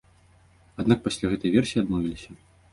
Аднак пасля ад гэтай версіі адмовіліся.